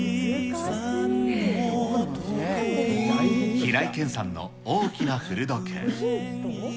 平井堅さんの大きな古時計。